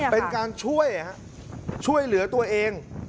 เป็นการช่วยเหลือตัวเอง